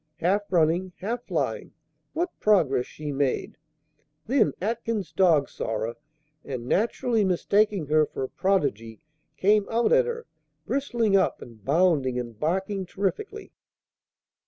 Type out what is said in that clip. "Half running, half flying, what progress she made!" Then Atkins's dog saw her, and, naturally mistaking her for a prodigy, came out at her, bristling up and bounding and barking terrifically.